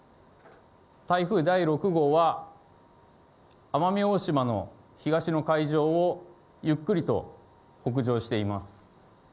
台風第６号は、奄美大島の東の海上をゆっくりと北上しています。